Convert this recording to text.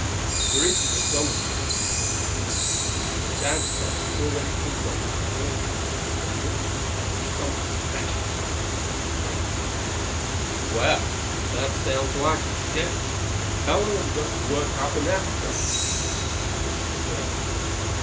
"We're eating at Dominick's," he reported to Sandy. "And Dad says he's already called Dominick and warned him, so we ought to be prepared for something special." Sandy beamed. "Swell. That sounds like spaghetti. How long have we got to work up an appetite?" "Until six thirty."